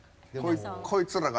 「こいつらが」。